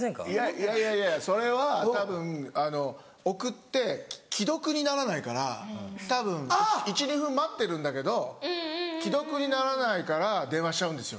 いやいやいやそれはたぶんあの送って既読にならないからたぶん１２分待ってるんだけど既読にならないから電話しちゃうんですよ